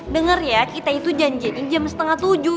dengar ya kita itu janjinya jam setengah tujuh